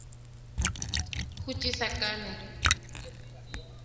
Juchi sakane.